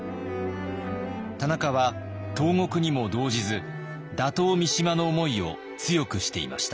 田中は投獄にも動じず打倒三島の思いを強くしていました。